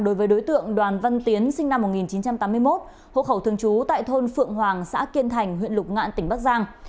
đối với đối tượng đoàn văn tiến sinh năm một nghìn chín trăm tám mươi một hộ khẩu thường trú tại thôn phượng hoàng xã kiên thành huyện lục ngạn tỉnh bắc giang